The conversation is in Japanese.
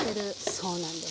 そうなんです。